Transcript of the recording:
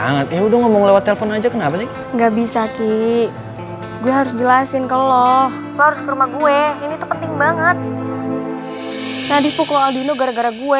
nadif pukul aldino gara gara gue